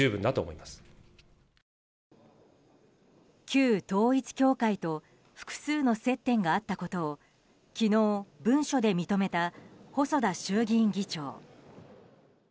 旧統一教会と複数の接点があったことを昨日、文書で認めた細田衆議院議長。